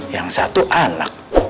yang satu anak